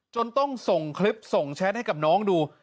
จนต้องส่งคลิปส่งแชทให้กับน้องดู